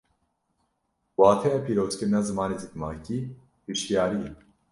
Wateya pîrozkirina zimanê zikmakî hîşyarî ye